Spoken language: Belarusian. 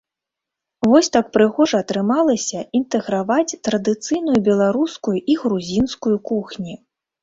Вось так прыгожа атрымалася інтэграваць традыцыйную беларускую і грузінскую кухні.